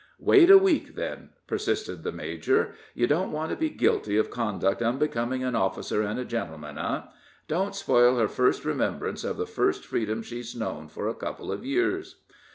"Wait a week, then," persisted the major. "You don't want to be 'guilty of conduct unbecoming an officer and a gentleman,' eh? Don't spoil her first remembrances of the first freedom she's known for a couple of years."